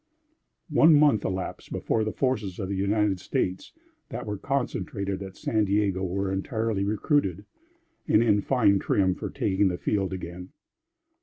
One month elapsed before the forces of the United States that were concentrated at San Diego were entirely recruited, and in fine trim for taking the field again.